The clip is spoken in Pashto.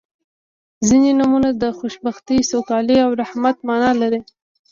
• ځینې نومونه د خوشبختۍ، سوکالۍ او رحمت معنا لري.